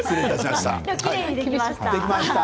きれいにできました。